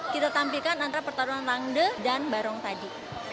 kita tampilkan antara pertarungan rangde dan rangde